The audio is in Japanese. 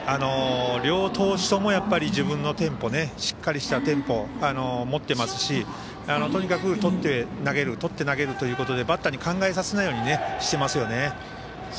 両投手とも自分のしっかりとしたテンポを持っていますし、とにかく取って投げるということでバッターに考えさせないようにしていますよね。